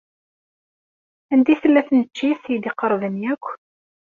Anda tella tneččit ay d-iqerben akk?